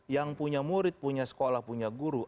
yang punya murid punya sekolah punya guru